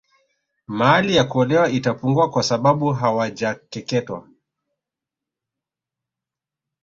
Mahali ya kuolewa itapungua kwa sabau hawajakeketwa